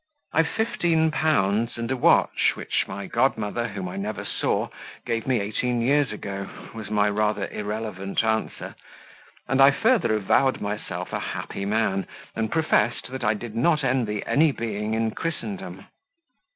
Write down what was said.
'" "I've fifteen pounds and a watch, which my godmother, whom I never saw, gave me eighteen years ago," was my rather irrelevant answer; and I further avowed myself a happy man, and professed that I did not envy any being in Christendom.